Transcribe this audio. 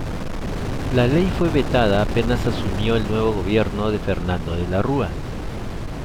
La ley fue vetada apenas asumió el nuevo gobierno de Fernando De la Rúa.